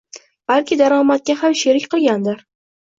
Balki daromadga ham sherik qilgandir